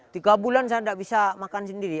tiga bulan saya tidak bisa makan sendiri